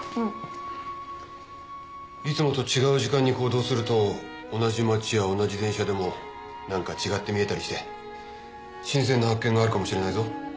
いつもと違う時間に行動すると同じ町や同じ電車でもなんか違って見えたりして新鮮な発見があるかもしれないぞ。